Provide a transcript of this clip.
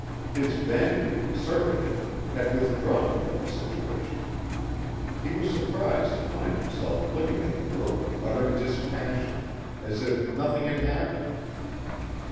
His vanity, surfeited, had withdrawn from the situation. He was surprised to find himself looking at the girl with utter dispassion, as if nothing had happened.